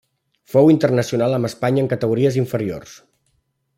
Fou internacional amb Espanya en categories inferiors.